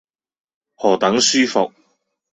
何等舒服。